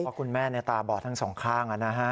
เพราะคุณแม่ตาบอดทั้งสองข้าง